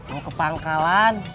mau ke pangkalan